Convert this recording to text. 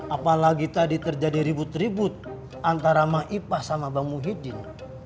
apalagi tadi terjadi ribut ribut antara maipah sama bang muhiddin